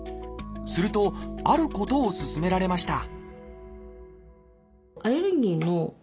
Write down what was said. するとあることを勧められました